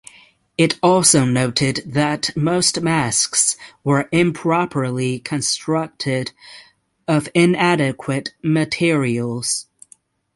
It also noted that most masks were improperly constructed of inadequate materials.